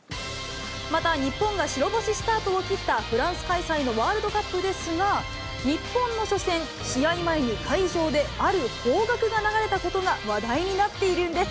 また日本は白星スタートを切ったフランス開催のワールドカップですが、日本の初戦、試合前に会場である邦楽が流れたことが話題になっているんです。